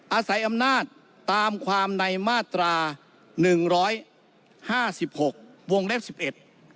อาศัยอำนาจตามความในมาตรา๑๕๖วงเล็ก๑๑